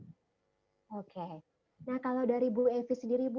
nah kalau dari bu evie sendiri bu